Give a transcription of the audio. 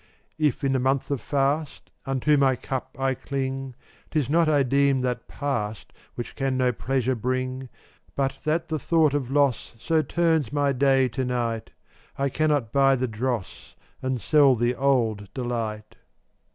410 If in the month of fast Unto my cup I cling, 'Tis not I deem that past Which can no pleasure bring, But that the thought of loss So turns my day to night, I cannot buy the dross And sell the old delight.